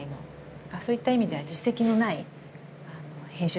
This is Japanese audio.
そういった意味では実績のない編集者だったのではい。